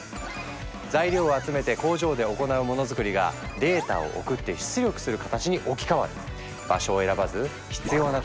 材料を集めて工場で行うモノづくりがデータを送って出力する形に置き換わる。